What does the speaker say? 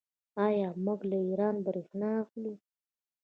آیا موږ له ایران بریښنا اخلو؟